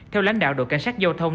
theo lãnh đạo đội cảnh sát giao thông